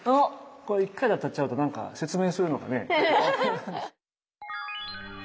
これ１回で当たっちゃうとなんか説明するのがね。